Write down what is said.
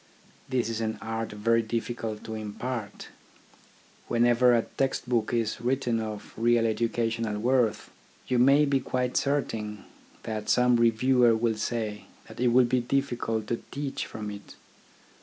This is an art very difficult to impart. Whenever a text book is written of real educational worth, you may be quite certain that some reviewer will say that it 10 THE ORGANISATION OF THOUGHT will be difficult to teach from it.